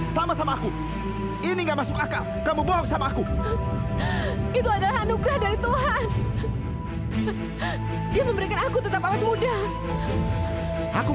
sampai jumpa di video selanjutnya